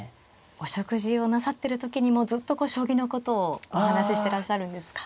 お食事をなさってる時にもずっとこう将棋のことをお話ししてらっしゃるんですか。